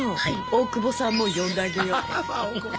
大久保さんも呼んであげよう。